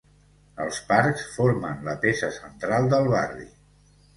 Els parcs formen la peça central del barri.